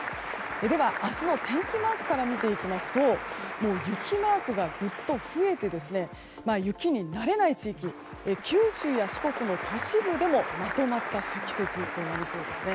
では、明日の天気マークから見ていきますと雪マークがぐっと増えて雪に慣れない地域九州や四国の都市部でもまとまった積雪となりそうですね。